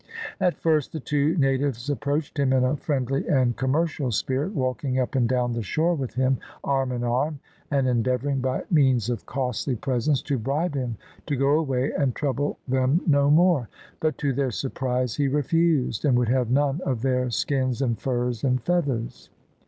At first the two natives approached him in a friendly and commercial spirit, walking up and down the shore with him arm in arm, and endeavouring by means of costly presents to bribe him to go away and trouble them no more. But to their surprise he refused, and would have none of their skins and furs and feathers.